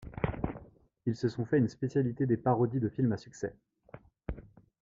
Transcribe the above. Ils se sont fait une spécialité des parodies de films à succès.